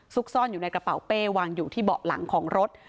ซ่อนอยู่ในกระเป๋าเป้วางอยู่ที่เบาะหลังของรถ